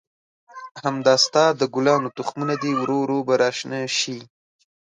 همدا ستا د ګلانو تخمونه دي، ورو ورو به را شنه شي.